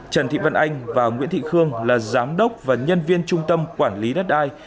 trần thị vân anh và nguyễn thị khương là giám đốc và nhân viên trung tâm quản lý đất đai